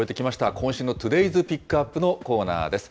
今週のトゥデイズ・ピックアップのコーナーです。